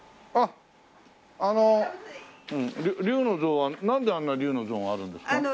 あっあの竜の像はなんであんな竜の像があるんですか？